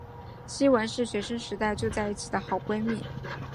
希汶是学生时代就在一起的好闺蜜。